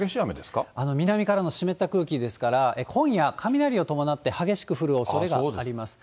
南からの湿った空気ですから、今夜、雷を伴って激しく降るおそれがあります。